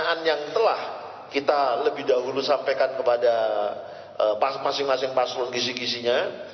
pernyataan yang telah kita lebih dahulu sampaikan kepada masing masing paslon gisi gisinya